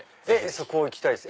そこ行きたいっす！